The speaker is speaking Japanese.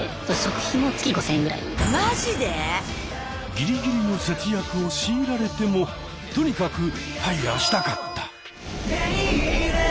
ギリギリの節約を強いられてもとにかくＦＩＲＥしたかった！